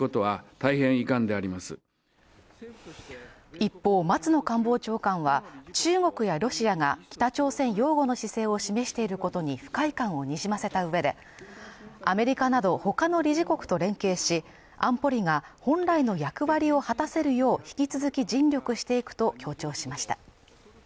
一方松野官房長官は中国やロシアが北朝鮮擁護の姿勢を示していることに不快感をにじませた上でアメリカなど他の理事国と連携し、安保理が本来の役割を果たせるよう、引き続き尽力していくと強調しました。